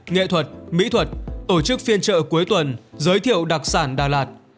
nghệ thuật mỹ thuật tổ chức phiên trợ cuối tuần giới thiệu đặc sản đà lạt